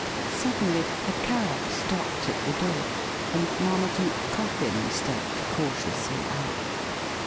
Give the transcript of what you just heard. Suddenly a cab stopped at the door, and Marmaduke Coffin stepped cautiously out.